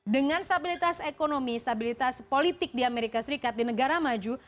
dengan stabilitas ekonomi stabilitas politik di amerika serikat di negara maju